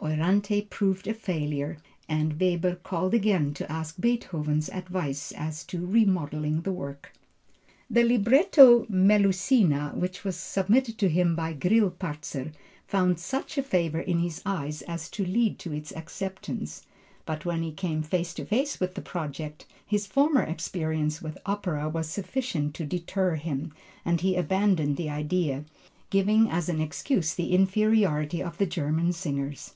Euryanthe proved a failure and Weber called again to ask Beethoven's advice as to remodelling the work. The libretto Melusina, which was submitted to him by Grillparzer found such favor in his eyes as to lead to its acceptance, but when he came face to face with the project, his former experience with opera was sufficient to deter him, and he abandoned the idea, giving as an excuse the inferiority of the German singers.